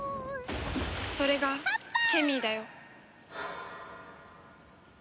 それがケミーだよ。